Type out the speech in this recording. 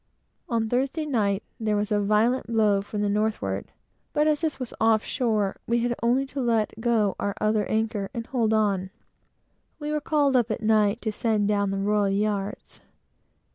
On Thursday night, there was a violent blow from the northward, but as this was off shore, we had only to let go our other anchor and hold on. We were called up at night to send down the royal yards.